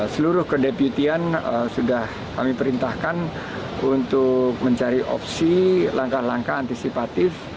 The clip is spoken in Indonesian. seluruh kedeputian sudah kami perintahkan untuk mencari opsi langkah langkah antisipatif